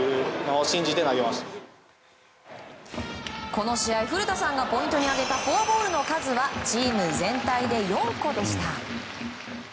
この試合古田さんがポイントに挙げたフォアボールの数はチーム全体で４個でした。